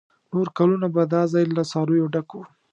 نور کلونه به دا ځای له څارویو ډک و.